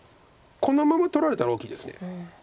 このまま取られたら大きいです。